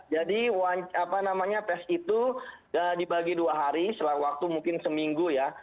jadi apa namanya tes itu dibagi dua hari selama waktu mungkin seminggu ya